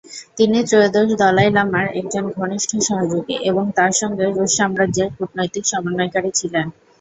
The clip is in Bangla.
তিনি ত্রয়োদশ দলাই লামার একজন ঘনিষ্ঠ সহযোগী এবং তার সঙ্গে রুশ সাম্রাজ্যের কূটনৈতিক সমন্বয়কারী ছিলেন।